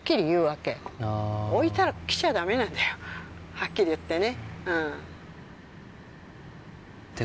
はっきり言ってね。